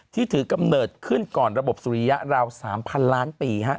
ที่ถือกำเนิดขึ้นก่อนระบบสุริยะราว๓๐๐ล้านปี